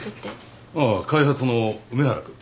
ああ開発の梅原君。